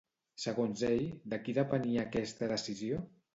Segons ell, de qui depenia aquesta decisió?